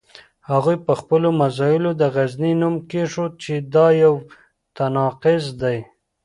هغوی په خپلو مزایلو د غزنوي نوم کېښود چې دا یو تناقض دی.